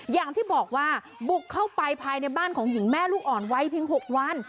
อย่างที่บอกว่าบุกเข้าไปภายในบ้านของหญิงแม่ลูกอ่อนวัยเพียง๖วัน